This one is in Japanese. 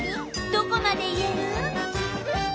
どこまで言える？